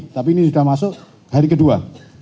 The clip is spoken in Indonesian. tapi ini sudah masuk hari kedua